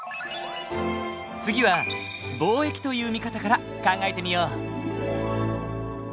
次は貿易という見方から考えてみよう。